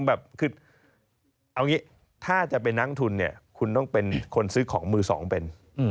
เอาอย่างนี้ถ้าจะเป็นนักลงทุนคุณต้องเป็นคนซื้อของมือสองเป็น